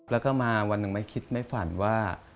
แล้วก็มาวันหนึ่งไม่คิดไม่ฝันว่า